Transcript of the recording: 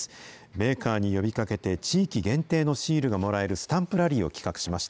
メーカーに呼びかけて、地域限定のシールがもらえるスタンプラリーを企画しました。